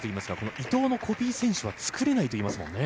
伊藤のコピー選手は作れないと言いますもんね。